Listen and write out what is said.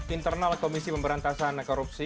internal komisi pemberantasan korupsi